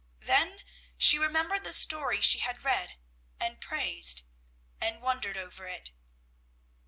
Then she remembered the story she had read and praised, and wondered over it.